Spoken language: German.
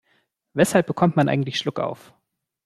Weshalb bekommt man eigentlich Schluckauf?